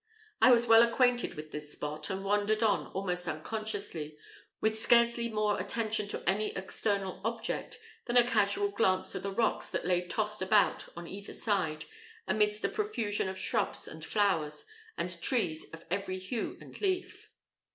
I was well acquainted with the spot, and wandered on almost unconsciously, with scarcely more attention to any external object than a casual glance to the rocks that lay tossed about on either side, amidst a profusion of shrubs and flowers, and trees of every hue and leaf.